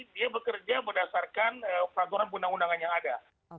dia bekerja berdasarkan peraturan undang undangan yang ada